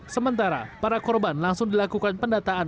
sementara para korban langsung dilakukan pendataan